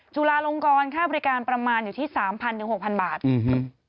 จุฬาลงกรค่าบริการประมาณอยู่ที่๓๐๐๐๖๐๐๐บาทอืม